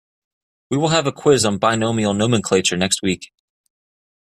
We will have a quiz on binomial nomenclature next week.